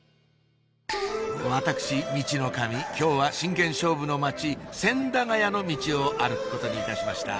私ミチノカミ今日は真剣勝負の街千駄ヶ谷のミチを歩くことにいたしました